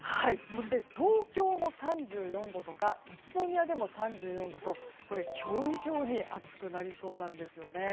そして、東京も３４度とか宇都宮でも３４度と今日以上に暑くなりそうなんです。